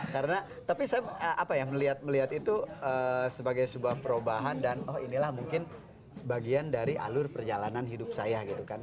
karena tapi saya melihat melihat itu sebagai sebuah perubahan dan inilah mungkin bagian dari alur perjalanan hidup saya gitu kan